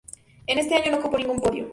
En este año no ocupó ningún podio.